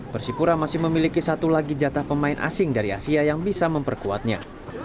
persipura masih memiliki satu lagi jatah pemain asing dari asia yang bisa memperkuatnya